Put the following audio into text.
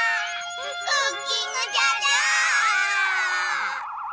クッキングじゃじゃー。